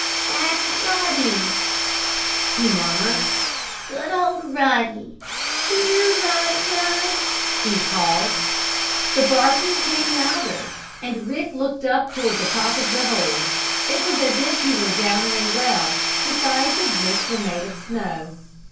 "That's Ruddy!" he murmured. "Good, old Ruddy! Here, Rud! Rud!" he called. The barking came louder, and Rick looked up toward the top of the hole. It was as if he were down in a well, the sides of which were made of snow.